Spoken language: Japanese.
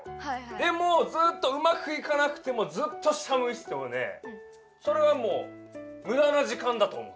でもずっとうまくいかなくてもずっと下向いててもねそれはもうむだな時間だと思う。